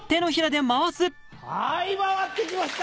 はい回って来ました。